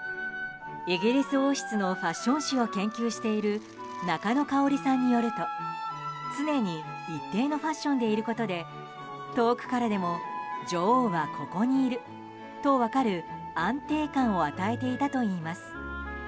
イギリス王室のファッション史を研究している中野香織さんによると常に一定のファッションでいることで遠くからでも女王はここにいると分かる安定感を与えていたといいます。